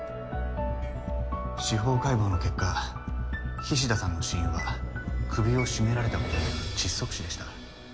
司法解剖の結果菱田さんの死因は首を絞められたことによる窒息死でした。